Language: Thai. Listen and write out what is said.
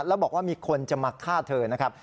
แล้วบอกว่ามีคนจะมาฆ่าเธอนะครับ